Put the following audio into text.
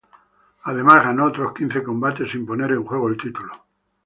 Además, ganó otros quince combates sin poner en juego el título.